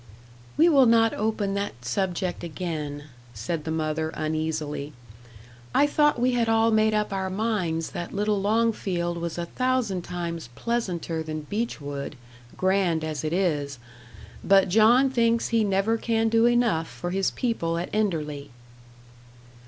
"We will not open that subject again," said the mother, uneasily. "I thought we had all made up our minds that little Longfield was a thousand times pleasanter than Beechwood, grand as it is. But John thinks he never can do enough for his people at Enderley."